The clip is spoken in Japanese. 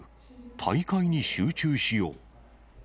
大会に集中しよう。